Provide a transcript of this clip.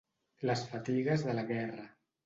Les fatigues de la guerra.